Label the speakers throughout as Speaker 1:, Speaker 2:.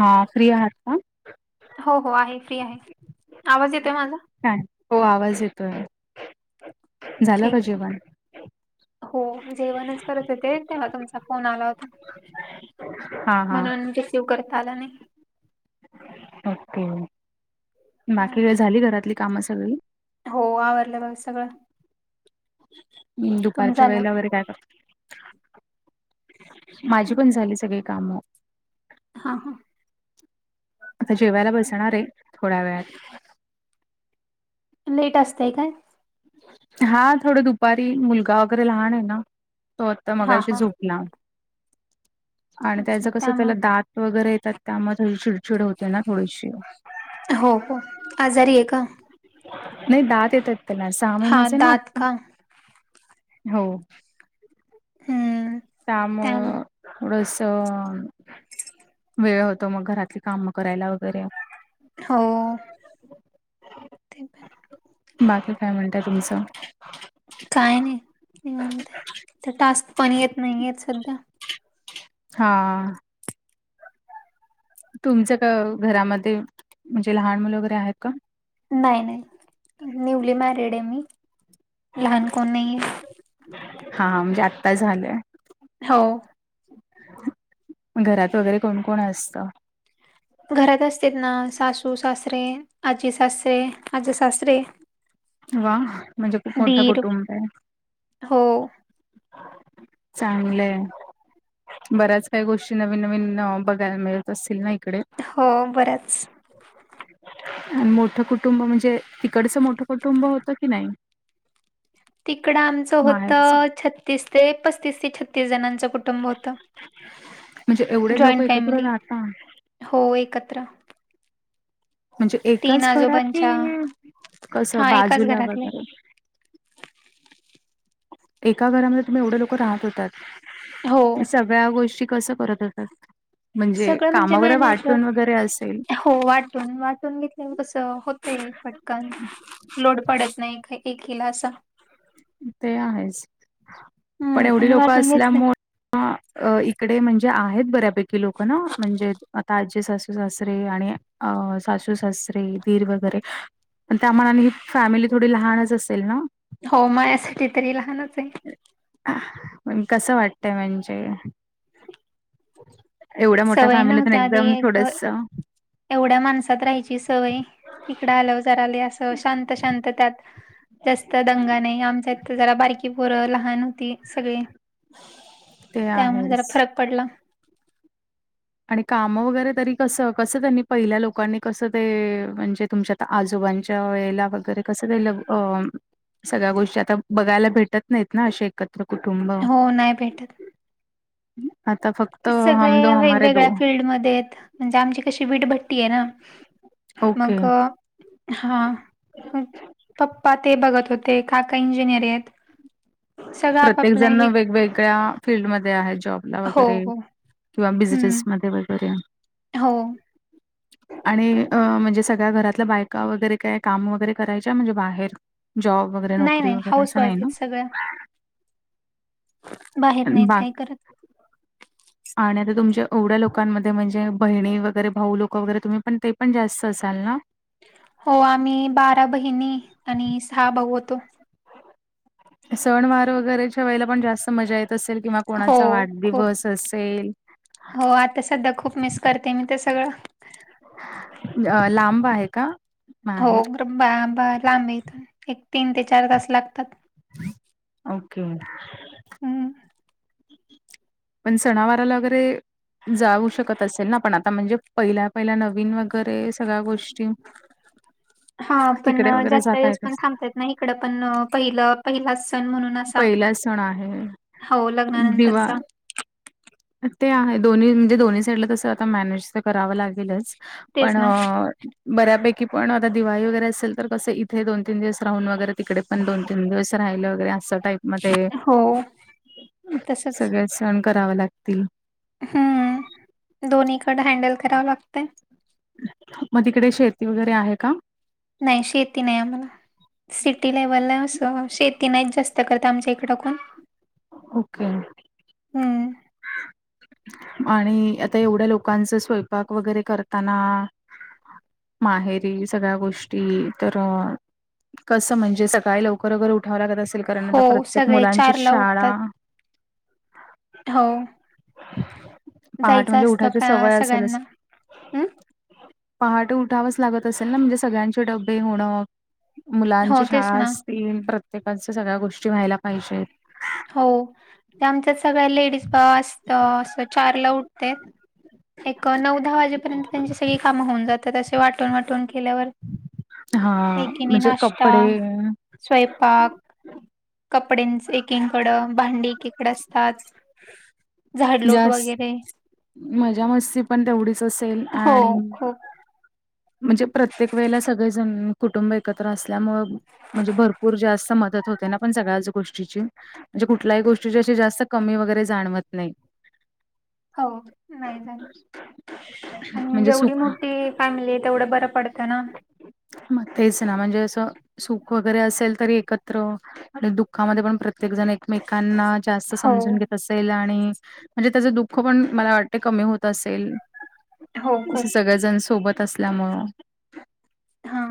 Speaker 1: हा फ्री आहात का
Speaker 2: हो हो आहे फ्री आहे, आवाज येतोय माझा.
Speaker 1: काय हो आवाज येतोय. झालं
Speaker 2: ठीक
Speaker 1: का
Speaker 2: आहे, ठीक आहे.
Speaker 1: जेवन.
Speaker 2: हो जेवणच करत होते, तेव्हा तुमचा फोन आला होता.
Speaker 1: हा हा..
Speaker 2: तेव करता आला नाई.
Speaker 1: ओके
Speaker 2: हं.
Speaker 1: बाकी काय झाली घरातली कामं सगळी?
Speaker 2: हो आवरलं, बघ सगळं.
Speaker 1: मग
Speaker 2: तुमचं
Speaker 1: दुपारच्या
Speaker 2: झालं?
Speaker 1: वेळेला वगैरे काय करताय. माझी पण झाली सगळी कामं.
Speaker 2: हा हा..
Speaker 1: आता जेवायला बसणार आहे थोड्या वेळात.
Speaker 2: लेट असते काय?
Speaker 1: हा थोडे दुपारी मुलगा वगैरे लाहण आहे ना तो आता
Speaker 2: हां,
Speaker 1: मगाशी
Speaker 2: हां.
Speaker 1: झोपला ‌. आणि त्याच
Speaker 2: अच्छा,
Speaker 1: कसं चालय,
Speaker 2: त्यामुळे
Speaker 1: दात वगैरे येतात ‌त्यामुळे चिड
Speaker 2: हो हो, आजारी आहे का.
Speaker 1: नाय दात येतात त्याला सहा
Speaker 2: हां,
Speaker 1: महिन्याचा ना
Speaker 2: दात
Speaker 1: आता
Speaker 2: का?
Speaker 1: हो.
Speaker 2: हम्म
Speaker 1: त्यामुळं थोडस तर वेळ होतो मग घरातली काम करायला करूय
Speaker 2: हो, ते पण आहे.
Speaker 1: बाकी काय म्हणताय तुमचं?
Speaker 2: काय नाही निवांत आहे टास्क पण येत नाहीत सध्या.
Speaker 1: हा हा. तुमच क घरामध्ये म्हणजे लहान मुल वगैरे आहेत का?
Speaker 2: नाही नाही निवली मॅरीड आहे मी लहान कोण नाही ये.
Speaker 1: हा म्हणजे आत्ता झालंय.
Speaker 2: हो.
Speaker 1: घरात वगैरे कोण कोण असतं?
Speaker 2: घरात असते ना सासू सासरे, आजी सासरे, आजे सासरे.
Speaker 1: वा म्हणजे खूप मोठं
Speaker 2: दीर
Speaker 1: कुटुंब आहे.
Speaker 2: हो
Speaker 1: चांगलंय. बऱ्याच काही गोष्टी नवीन नवीन बघायला मिळत असतील ना इकडे?
Speaker 2: हो बरंच
Speaker 1: आणि मोठं कुटुंब म्हणजे ईकडच मोठं कुटुंब होतं की नाही?
Speaker 2: तिकडं आमचं होत
Speaker 1: माहेरचं
Speaker 2: छत्तीस ते पसतीस ते छतीस जणांचं कुटुंब. कुटुंब
Speaker 1: म्हणजे
Speaker 2: होत
Speaker 1: एवढे लोक
Speaker 2: जॉईंट
Speaker 1: एकत्र
Speaker 2: फॅमिली
Speaker 1: राहता
Speaker 2: हो एकत्र.
Speaker 1: म्हणजे
Speaker 2: तीन
Speaker 1: एकाच घरात
Speaker 2: आजोबांच्या
Speaker 1: की कसं
Speaker 2: हा एकाच
Speaker 1: बाजूला
Speaker 2: घरातले
Speaker 1: वगैरे? एका घरामध्ये तुम्ही एवढे लोक राहत
Speaker 2: हो
Speaker 1: होतात सगळ्या गोष्टी कसं करत होतात? म्हणजे
Speaker 2: सगळं
Speaker 1: काम
Speaker 2: म्हणजे
Speaker 1: वगैरे
Speaker 2: मॅनेज
Speaker 1: वाटून वगैरे असेल
Speaker 2: हो वाटून वाटून घेतले कसं होतय पटकन. लोड पडत नाही, का एकीला असा.
Speaker 1: ते आहेच पण
Speaker 2: हम्म
Speaker 1: एवढी
Speaker 2: आणि
Speaker 1: लोक
Speaker 2: वाटून घेतलं
Speaker 1: असल्यामुळ अ इकडे म्हणजे आहेत बऱ्यापैकी लोक ना म्हणजे आता आजीे सासू सासरे आणि अं सासू सासरे दीर वगैरे त्या मानाने ही फॅमिली थोडी लहानच असेल ना.
Speaker 2: हो मायासाठी तरी लहानच आहे.
Speaker 1: पण कसं वाटतय म्हणजे. एवढ्या मोठ्या
Speaker 2: सवय
Speaker 1: फॅमिली पण
Speaker 2: नव्हत्या आधी
Speaker 1: एकदम
Speaker 2: एक
Speaker 1: थोडस.
Speaker 2: एवढ्या माणसात राहायची सवय इकड आल्यावर जरा लई असं शांत शांत त्यात जास्त दंगा नाही आमच्या इथं जरा बारकी पोरं लहान होती सगळी.
Speaker 1: ते
Speaker 2: त्यामुळ जरा
Speaker 1: आहेच
Speaker 2: फरक पडला.
Speaker 1: आणि काम वगैरे तरी कस कसं त्यांनी पहिल्या लोकांनी कसं ते म्हणजे तुमच्यात. आजोबांच्या वेळेला वगैरे कसं का अ सगळ्या गोष्टी आता बघायला भेटत नाहीत ना असे एक कुटुंब
Speaker 2: हो नाही भेटत
Speaker 1: आता फ
Speaker 2: सगळे वेगवेगळ्या फिल्डमध्ये आहेत म्हणजे आमची कशी वीटभट्टी आहे ना.
Speaker 1: ओके.
Speaker 2: मग हा म पण प्पा ते बघत होते काका इंजिनिअर आहेत. सगळं
Speaker 1: प्रत्येक
Speaker 2: आपापल्या
Speaker 1: जण
Speaker 2: हे
Speaker 1: वेगवेगळ्या फीलल्डमध्ये आहे जॉबला
Speaker 2: हो
Speaker 1: वगैरे.
Speaker 2: हो
Speaker 1: किंवा
Speaker 2: हम्म
Speaker 1: बिझनेस मध्ये वगैरे.
Speaker 2: हो
Speaker 1: [inaudible] [unintelligible] आणि अ म्हणजे सगळ्या घरातल्या बायका वगैरे काय काम वगैरे करायच्या म्हणजे बाहेर जॉब वगैरे
Speaker 2: नाही
Speaker 1: नोकरी
Speaker 2: नाही
Speaker 1: वगैरे
Speaker 2: हाऊस
Speaker 1: असं
Speaker 2: वाईफ
Speaker 1: नाही ना?
Speaker 2: आहेत सगळ्या बाहेर नाहीत
Speaker 1: बा
Speaker 2: काय करत.
Speaker 1: आणि आता तुमच्या एवढ्या लोकांमध्ये म्हणजे बहिणी वगैरे भाऊ लोक वगैरे तुम्ही पण ते पण जास्त असाल ना?
Speaker 2: हो आम्ही बारा बहिणी आणि सहा भाऊ होतो.
Speaker 1: सण वार वगैरेच्या वेळेला पण जास्त मजा येत असेल किंवा
Speaker 2: हो
Speaker 1: कोणाचा
Speaker 2: खूप
Speaker 1: वाढदिवस असेल.
Speaker 2: हो आता सध्या खूप मिस करते मी ते सगळं.
Speaker 1: अ लांब आहे का?
Speaker 2: हो
Speaker 1: माहेर?
Speaker 2: ब बा बा लांबयेत एक तीन ते चार तास लागतात.
Speaker 1: ओके
Speaker 2: हम्म
Speaker 1: पण सणावाराला वगैरे जाऊ शकत असेल ना पण आता म्हणजे पहिल्या पहिल्या नवीन वगैरे सगळ्या गोष्टी.
Speaker 2: हा पण
Speaker 1: तिकडे वगैरे
Speaker 2: जास्त
Speaker 1: जाता
Speaker 2: दिवस
Speaker 1: येत
Speaker 2: पण
Speaker 1: अस
Speaker 2: थांबता येत नाही इकडं पण पहिलं पहिलाच सण म्हणून असं.
Speaker 1: पहिलाच सण आहे.
Speaker 2: हो
Speaker 1: दिवा
Speaker 2: लग्नानंतरचा.
Speaker 1: ते आहे दोन्ही म्हणजे दोन्ही साईडला तसं आता मॅनेज तर करावं लागेलच
Speaker 2: तेच
Speaker 1: पण.
Speaker 2: ना
Speaker 1: बऱ्यापैकी पण आता दिवाळी वगैरे असेल तर कसं इथे दोन तीन दिवस राहून वगैरे तिकडे पण दोन तीन दिवस राहिले वगैरे असं काही म ते
Speaker 2: हो तसच
Speaker 1: सगळे सण करावे लागतील.
Speaker 2: हम्म दोन्हीकडं हैंडल करावं लागतं.
Speaker 1: मग तिकडे शेती वगैरे आहे का?
Speaker 2: नाही शेती नाही आम्हाला. सिटी लेव्हलला असं शेती नाहीत जास्त करत आमच्या इकडं कोण.
Speaker 1: ओके.
Speaker 2: हम्म.
Speaker 1: आणि आता एवढ्या लोकांचं स्वयंपाक वगैरे करताना माहेरी सगळ्या गोष्टी तर कसं म्हणजे सकाळी लवकर वगैरे उठावं लागत असेल कारण
Speaker 2: हो
Speaker 1: आता प्रत्येक
Speaker 2: सगळे
Speaker 1: मुलांची
Speaker 2: चार ला
Speaker 1: शाळा
Speaker 2: उठतात हो
Speaker 1: पहाट
Speaker 2: जायचं
Speaker 1: म्हणजे
Speaker 2: असतं
Speaker 1: उठायची
Speaker 2: का
Speaker 1: सवय असेलच.
Speaker 2: सगळ्यांना हम्म
Speaker 1: पहाटे उठावंच लागत असेल ना म्हणजे सगळ्यांचे डबे होणं
Speaker 2: हो
Speaker 1: मुलांची
Speaker 2: तेच
Speaker 1: शाळा
Speaker 2: ना
Speaker 1: असतील प्रत्येकाच्या सगळ्या गोष्टी व्हायला पाहिजेत.
Speaker 2: हो ते आमच्या सगळ्या लेडीज बा असत अस चार ला उठते. एक नऊ दहा वाजेपर्यंत त्यांची सगळी कामं होऊन जातात असे वाटून वाटून केल्यावर.
Speaker 1: हा
Speaker 2: एकीने
Speaker 1: म्हणजे
Speaker 2: नाश्ता
Speaker 1: कपडे.
Speaker 2: स्वयंपाक कपड्यांच एकीकड भांडी एकीकड असतात झाडलोट
Speaker 1: जास्
Speaker 2: वगैरे
Speaker 1: मजा मस्ती पण तेवढीच असेल
Speaker 2: हो
Speaker 1: आणि
Speaker 2: खूप
Speaker 1: म्हणजे प्रत्येक वेळेला सगळेजण कुटुंब एकत्र असल्यामुं म्हणजे भरपूर जास्त मदत होते ना पण सगळ्याच गोष्टीची. म्हणजे कुठल्याही गोष्टीची अशी जास्त कमी वगैरे जाणवत नाही.
Speaker 2: हो नाही जाणवत आणि
Speaker 1: म्हणजे
Speaker 2: एवढी
Speaker 1: सुख
Speaker 2: मोठी फॅमिली तेवढं बरं पडतं ना.
Speaker 1: मग तेच ना म्हणजे असं सुख वगैरे असेल तरी एकत. त्र मग आणि दुःखामध्ये पण प्रत्येक जण एकमेकांना जास्त
Speaker 2: हो
Speaker 1: समजून घेत असत असेल आणि म्हणजे त्याचं दुःख पण मला वाटते कमी होत असेल.
Speaker 2: हो
Speaker 1: असे
Speaker 2: खूप
Speaker 1: सगळेजण सोबत असल्यामुळं.
Speaker 2: हा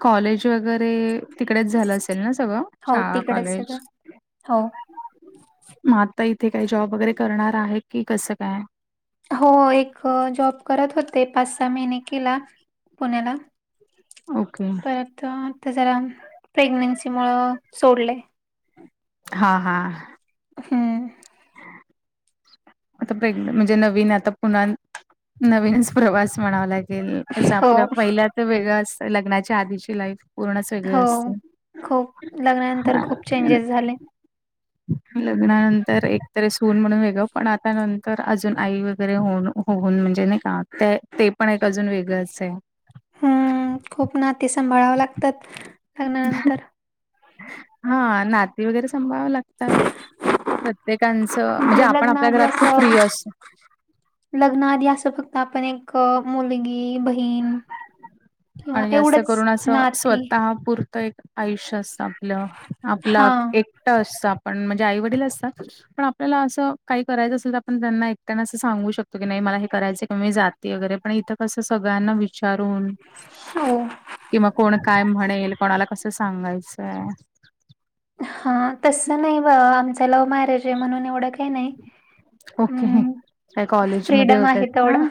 Speaker 1: कॉलेज वगैरे तिकडेच झालं असेल ना सगळं?
Speaker 2: हो
Speaker 1: शाळा,
Speaker 2: तिकडेच सगळं
Speaker 1: कॉलेज
Speaker 2: हो.
Speaker 1: मग आता इथे काही जॉब वगैरे करणार आहे की कसं काय?
Speaker 2: हो एक जॉब करत होते, पाच सहा महिने केला पुण्याला
Speaker 1: ओके
Speaker 2: परत आता जरा प्रेग्नेंसी मुळ सोडलंय.
Speaker 1: हा हा.
Speaker 2: हम्म.
Speaker 1: [unintelligible] आता म्हणजे नवीन आता पुन्हा नवीनच प्रवास म्हणावा लागेल. कसं
Speaker 2: हो
Speaker 1: आपलं पहिल त तर वेगळं असत लग्नाच्या आधीची लाईफ पूर्णच वेगळे
Speaker 2: हो
Speaker 1: असते
Speaker 2: खूप लग्नानंतर
Speaker 1: हा
Speaker 2: खूप
Speaker 1: म
Speaker 2: चेंजेस झाले
Speaker 1: लग्नानंतर एकतर अस होऊन म्हणून वेगळं पण आता नंतर अजून आई वगैरे हो होऊन म्हणजे नाही का ते. ते पण एक अजून वेगळंच आहे.
Speaker 2: हम खूप नाते सांभाळावं लागतात, लग्नानंतर.
Speaker 1: हा नाती वगैरे संभाळावे लागतात. प्रत्येकांचं म्हणजे आपण आपल्या घरात खूप फ्री अस
Speaker 2: लग्नाआधी असं फक्त आपण एक मुलगी बहीण किंवा
Speaker 1: आणि जास्त
Speaker 2: एवढंच
Speaker 1: करून असं
Speaker 2: नाती
Speaker 1: स्वतः पुरतं एक आयुष्य असत आपलं.
Speaker 2: हा
Speaker 1: आपलं एकटं असत आपण, म्हणजे आई वडील असतात. पण आपल्याला असं काही करायचं असेल, तर आपण त्यांना एकट्याना असं सांगू शकतो की नाही मला हे करायचं किवा मी जात वगैरे पण इथं कसं सगळ्यांना विचारून
Speaker 2: हो.
Speaker 1: किंवा कोण काय म्हणेल कोणाला कसं सांगायचय.
Speaker 2: हा तस नाही व आमच लव्ह मॅरेज आहे म्हणून एवढं काही नाही.
Speaker 1: ओके मग
Speaker 2: हम्म
Speaker 1: त्या कॉलेजमध्ये
Speaker 2: फ्रीडम आहे
Speaker 1: होतात ना.
Speaker 2: तेवढा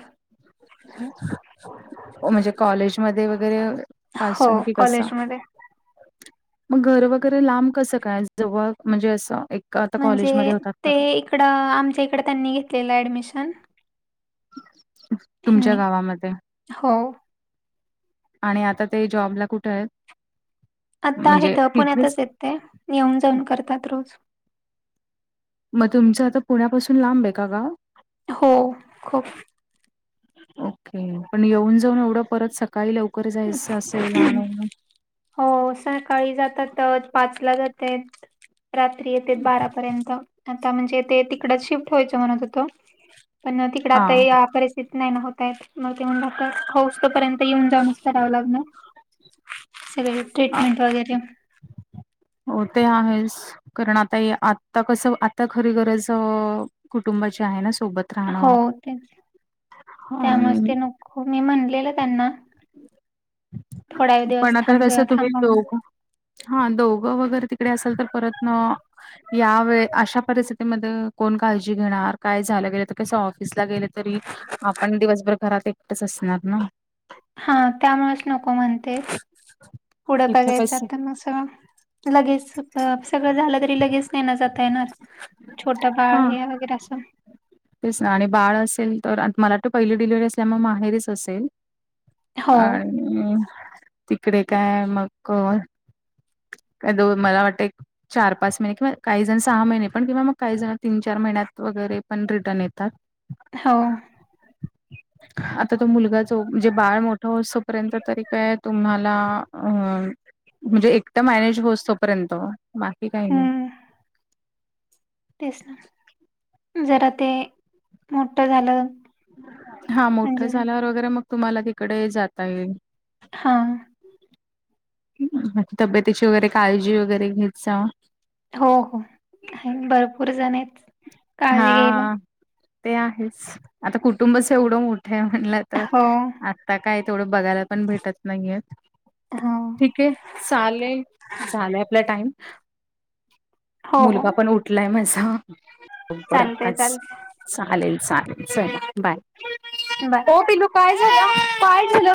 Speaker 1: म्हणजे कॉलेज मध्ये वगैरे
Speaker 2: हो
Speaker 1: पासून की बसा.
Speaker 2: कॉलेजमध्ये
Speaker 1: मग घर वगैरे लांब कसं काय जवळ म्हणजे असं एक आता
Speaker 2: म्हणजे
Speaker 1: कॉलेजमध्ये होतात
Speaker 2: ते
Speaker 1: तर.
Speaker 2: इकडं आमच्या इकडं त्यांनी घेतलेलं ॲडमिशन.
Speaker 1: तुमच्या गावामध्ये.
Speaker 2: हो.
Speaker 1: आणि आता ते जॉबला कुठे आहेत?
Speaker 2: आता आहे
Speaker 1: म्हणजे
Speaker 2: तर
Speaker 1: तिथेच
Speaker 2: पुण्यातच येत ते येऊन जाऊन करतात रोज.
Speaker 1: मग तुमचं आता पुण्यापासून लांब आहे का गाव?
Speaker 2: हो. खूप.
Speaker 1: ओके पण येऊन जाऊन एवढं परत सकाळी लवकर जायचं असेल आणि
Speaker 2: हो सकाळी जातातच पाचला जातेत. रात्री येते बारापर्यंत, आता म्हणजे ते तिकडच शिफ्ट व्हायचं म्हणत हूतो. पण तिकडे
Speaker 1: हा
Speaker 2: आता परिस्थिती नाही होतये मग ते म्हण टत हौसोपर्यंत येऊन जाऊन कराव लागणार, सगळे ट्रीटमेंट वगैरे.
Speaker 1: हो ते आहेच. कारण आता हे आता कसं आता खरी गरज कुटुंबाची आहे ना सोबत.
Speaker 2: हो
Speaker 1: राहणं
Speaker 2: तेच त्यामुळेच
Speaker 1: आणि
Speaker 2: ते नको हो मी म्हणलेलं त्यांना, थोड्या व दिवस
Speaker 1: पण आता
Speaker 2: थांब
Speaker 1: कसं तुम्ही
Speaker 2: थांबव म्हण
Speaker 1: दोघ हा दोघं वगैरे तिकडे असाल तर परतन. यावे अशा परिस्थितीमध्ये कोण काळजी घेणार? काय झालं गेलं तर कसं ऑफिसला गेलं तरी. आपण दिवसभर घरात एकटच असणार ना.
Speaker 2: हा त्यामुळेच नको म्हणते, पुढं
Speaker 1: इथं
Speaker 2: बघायचं
Speaker 1: कस
Speaker 2: आता कसं. लगेच सगळं झालं तरी लगेच नेण जात आहे न, छोटं बाळ
Speaker 1: हा
Speaker 2: हे वगैरे अस
Speaker 1: तेच ना आणि बाळ असेल तर मला तर पहिली डिलिव्हरी असल्यामुळे माहेरीच असेल.
Speaker 2: हो
Speaker 1: आणि तिकडे काय हे मग? काय. दोन मला वाटतंय. चार पाच महिने किंवा काही जण सहा महिने, पण किंवा मग काही जण तीन चार महिन्यात वगैरे. पण रिटर्न येता
Speaker 2: हो.
Speaker 1: [inaudible] आता तो मुलगा जो जे बाळ मोठा होऊ सो पर्यंत तरी काय तुम्हाला अ म्हणजे ऐकटा मॅनेज होसो पर्यंत बाकी काही नाही.
Speaker 2: हम्म तेच ना जरा ते मोठं झालं.
Speaker 1: हा मोठं
Speaker 2: म्हणजे
Speaker 1: झाल्यावर वगैरे मग तुम्हाला तिकडे जात येईल.
Speaker 2: हा.
Speaker 1: हा ती तब्यतीची वगैरे काळजी वगैरे घेत जावा.
Speaker 2: हो हो आहेन भरपूर जण आहेत.
Speaker 1: हा
Speaker 2: काळजी घ्यायला
Speaker 1: ते आहेच आता कुटुंबच एवढं मोठं आहे म्हणलात. तर
Speaker 2: हो
Speaker 1: आता काय तेवढं बघायला पण भेटत नाहीये.
Speaker 2: हो
Speaker 1: ठीक आहे चालेल झालंय आपला टाइम.
Speaker 2: हो हो
Speaker 1: मुलगा पण उठलाय माझा. बरं
Speaker 2: चालतय
Speaker 1: आताच
Speaker 2: चालतय
Speaker 1: चालेल चालेल चला बाय.
Speaker 2: बाय.
Speaker 1: ओ पिलू काय झालं काय झालं?